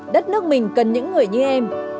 đất nước mình cần những người như em